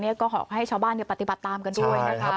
นี่ก็ให้ชาวบ้านปฏิบัติตามกันด้วยนะคะ